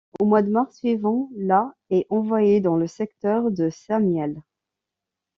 Au mois de mars suivant, la est envoyée dans le secteur de Saint-Mihiel.